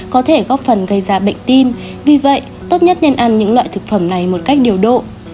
có thể góp phần gây ra bệnh tim vì vậy tốt nhất nên ăn những loại thực phẩm này một cách điều độ